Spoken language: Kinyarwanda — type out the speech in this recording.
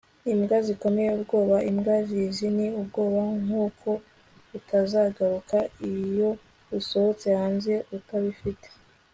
imbwa zikomeye ubwoba imbwa zizi ni ubwoba bw'uko utazagaruka iyo usohotse hanze utabifite